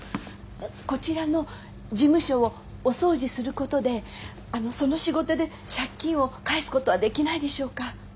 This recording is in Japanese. こちらの事務所をお掃除することであのその仕事で借金を返すことはできないでしょうか。